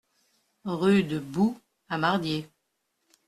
Rue de Bou à Mardié